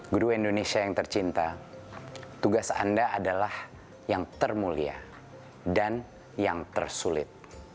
guru indonesia yang tercinta tugas anda adalah yang termulia dan yang tersulit